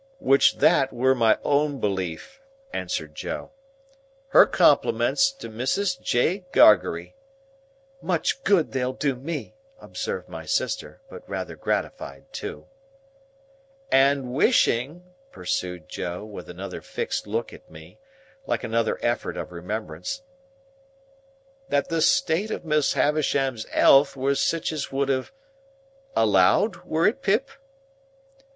"Which that were my own belief," answered Joe; "her compliments to Mrs. J. Gargery—" "Much good they'll do me!" observed my sister; but rather gratified too. "And wishing," pursued Joe, with another fixed look at me, like another effort of remembrance, "that the state of Miss Havisham's elth were sitch as would have—allowed, were it, Pip?"